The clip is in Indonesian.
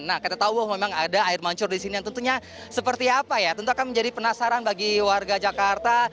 nah kita tahu memang ada air mancur di sini yang tentunya seperti apa ya tentu akan menjadi penasaran bagi warga jakarta